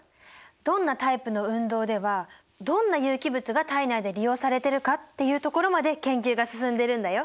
どんなタイプの運動ではどんな有機物が体内で利用されてるかっていうところまで研究が進んでるんだよ。